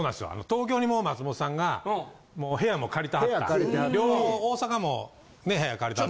東京にもう松本さんがもう部屋も借りてはった。